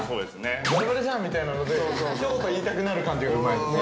バレバレじゃんみたいなのでひとこと言いたくなる感じがうまいですね。